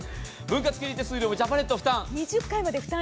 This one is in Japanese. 分割金利・手数料もジャパネット負担。